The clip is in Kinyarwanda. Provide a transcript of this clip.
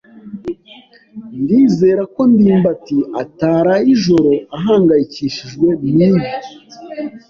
Ndizera ko ndimbati ataraye ijoro ahangayikishijwe nibi.